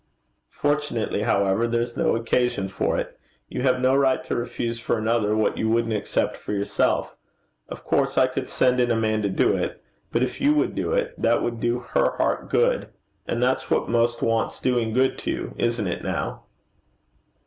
'Fortunately, however, there's no occasion for it. You have no right to refuse for another what you wouldn't accept for yourself. Of course I could send in a man to do it; but if you would do it, that would do her heart good. And that's what most wants doing good to isn't it, now?'